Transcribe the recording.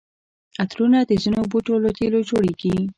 عطرونه د ځینو بوټو له تېلو جوړیږي.